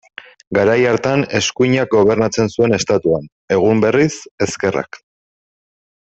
Garai hartan eskuinak gobernatzen zuen Estatuan, egun berriz, ezkerrak.